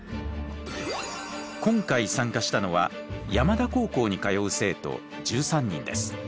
今回参加したのは山田高校に通う生徒１３人です。